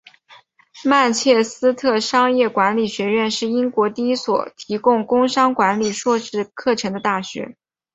曼彻斯特商业管理学院是英国第一所提供工商管理硕士课程的大学。